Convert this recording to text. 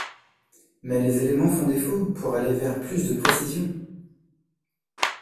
Mais les éléments font défaut pour aller vers plus de précision.